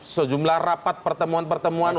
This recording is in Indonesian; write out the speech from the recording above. sejumlah rapat pertemuan pertemuan